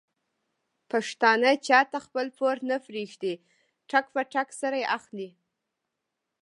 پښتانه چاته خپل پور نه پرېږدي ټک په ټک سره اخلي.